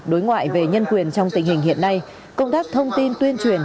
đối ngoại về nhân quyền trong tình hình hiện nay công tác thông tin tuyên truyền